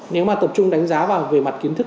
nếu mà tập trung đánh giá vào về mặt kiến thức